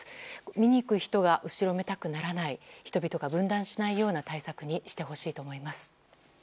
見に行く人が後ろめたくならない人々が分断しないような対策にしてほしいと思います。